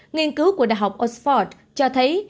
nghiên cứu của đh oxford cho thấy